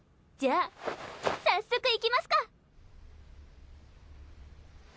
じゃあ早速いきますか？